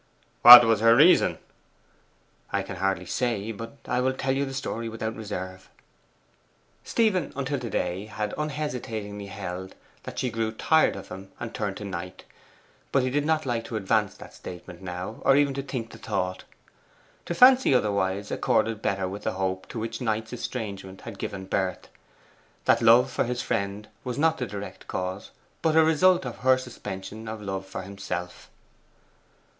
'What was her reason?' 'I can hardly say. But I'll tell the story without reserve.' Stephen until to day had unhesitatingly held that she grew tired of him and turned to Knight; but he did not like to advance the statement now, or even to think the thought. To fancy otherwise accorded better with the hope to which Knight's estrangement had given birth: that love for his friend was not the direct cause, but a result of her suspension of love for himself.